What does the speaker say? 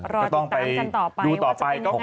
รอติดตามกันต่อไปว่าจะเป็นยังไง